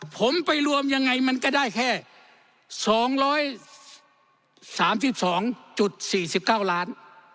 ผมไปรวมยังไงมันก็ได้แค่สองร้อยสามสิบสองจุดสี่สิบเก้าล้าน